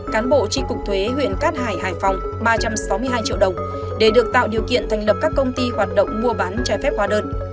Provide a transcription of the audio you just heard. cán bộ tri cục thuế huyện cát hải hải phòng ba trăm sáu mươi hai triệu đồng để được tạo điều kiện thành lập các công ty hoạt động mua bán trái phép hóa đơn